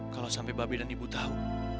kalau sampai babi dan ibu tahu